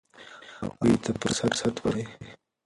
هغوی ته فرصت ورکړئ.